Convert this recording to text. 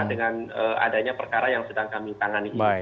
dengan adanya perkara yang sedang kami tangani ini